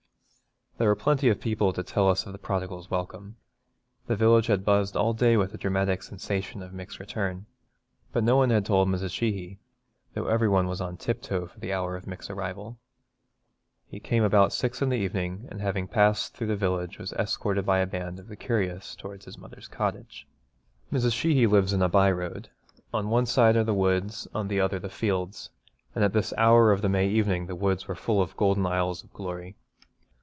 There were plenty of people to tell us of the prodigal's welcome. The village had buzzed all day with the dramatic sensation of Mick's return, but no one had told Mrs. Sheehy though every one was on tiptoe for the hour of Mick's arrival. He came about six in the evening, and having passed through the village was escorted by a band of the curious towards his mother's cottage. Mrs. Sheehy lives in a by road. On one side are the woods, on the other the fields, and at this hour of the May evening the woods were full of golden aisles of glory.